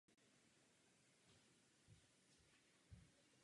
Na hoře se nacházejí dva krátery.